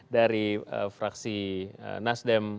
dari fraksi nasdem